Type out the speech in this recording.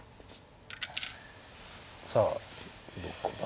さあどこだ。